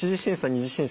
２次審査